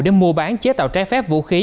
để mua bán chế tạo trái phép vũ khí